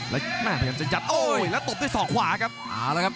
และตบด้วยสอกขวาครับ